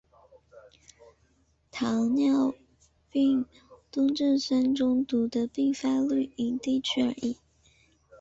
糖尿病酮症酸中毒的病发率因地区而异。